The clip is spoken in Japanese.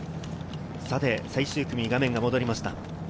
最終組に画面が戻りました。